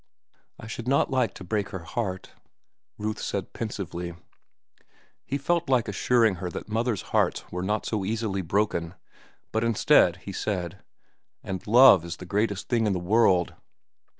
"I should not like to break her heart," Ruth said pensively. He felt like assuring her that mothers' hearts were not so easily broken, but instead he said, "And love is the greatest thing in the world."